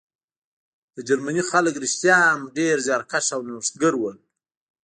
د جرمني خلک رښتیا هم ډېر زیارکښ او نوښتګر وو